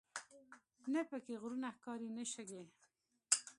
نه په کې غرونه ښکاري نه شګې.